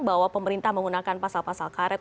bahwa pemerintah menggunakan pasal pasal karet